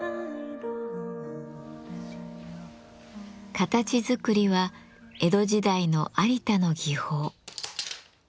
形づくりは江戸時代の有田の技法。